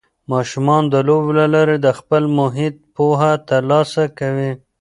ماشومان د لوبو له لارې د خپل محیط پوهه ترلاسه کوي.